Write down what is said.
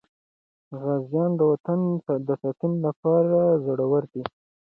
غازیان د وطن د ساتنې لپاره زړور دي.